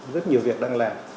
rất nhiều việc đang làm